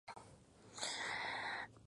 Incluso lee con su hermana menor.